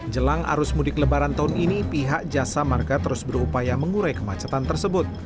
jelang arus mudik lebaran tahun ini pihak jasa marga terus berupaya mengurai kemacetan tersebut